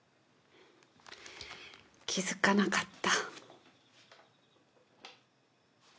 気付かなかった。